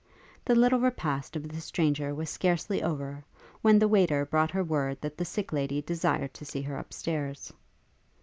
The little repast of the stranger was scarcely over, when the waiter brought her word that the sick lady desired to see her up stairs.